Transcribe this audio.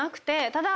ただ。